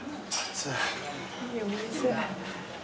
いいお店。